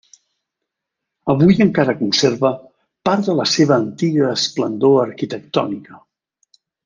Avui encara conserva part de la seva antiga esplendor arquitectònica.